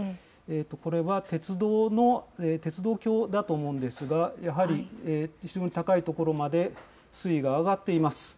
これは鉄道の鉄道橋だと思うんですが、やはり非常に高い所まで水位が上がっています。